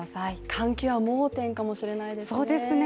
換気は盲点かもしれないですね。